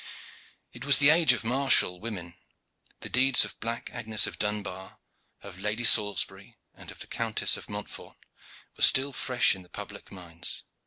It was the age of martial women. The deeds of black Agnes of Dunbar, of Lady Salisbury and of the Countess of Montfort, were still fresh in the public minds.